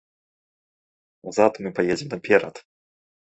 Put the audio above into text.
Назад мы паедзем наперад!